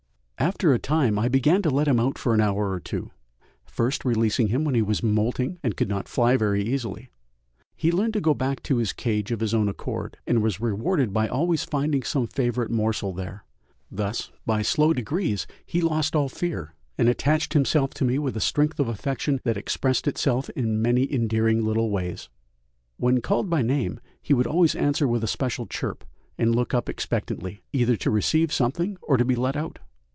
After a time I began to let him out for an hour or two, first releasing him when he was moulting and could not fly very easily. He learned to go back to his cage of his own accord, and was rewarded by always finding some favourite morsel there. Thus, by slow degrees, he lost all fear, and attached himself to me with a strength of affection that expressed itself in many endearing little ways. When called by name he would always answer with a special chirp and look up expectantly, either to receive something or to be let out.